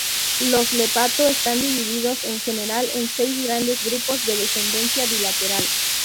Los lepanto están divididos, en general, en seis grandes grupos de descendencia bilateral.